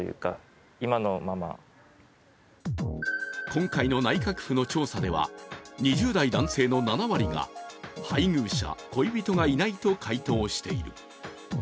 今回の内閣府の調査では２０代男性の７割が配偶者、恋人がいないと回答している。